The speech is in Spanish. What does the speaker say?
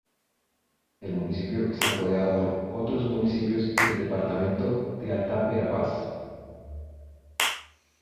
El municipio está rodeado por otros municipios del departamento de Alta Verapaz:.